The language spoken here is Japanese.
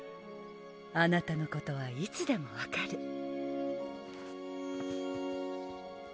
あなたのことはいつでも分かる。